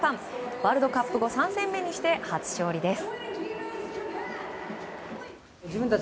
ワールドカップ後３戦目にして初勝利です。